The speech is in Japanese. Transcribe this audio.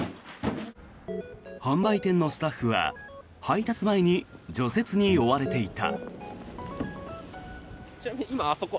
販売店のスタッフは配達前に除雪に追われていた。